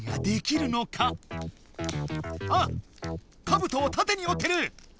カブトをたてに折ってる！